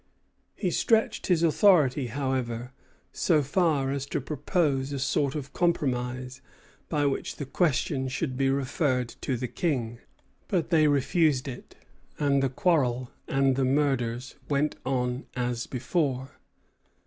He stretched his authority, however, so far as to propose a sort of compromise by which the question should be referred to the King; but they refused it; and the quarrel and the murders went on as before.